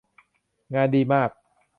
งานดีมาก